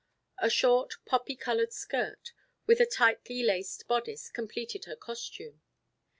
A short poppy colored skirt, with a tightly laced bodice, completed her costume.